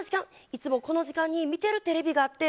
いつもこの時間に見てるテレビがあって。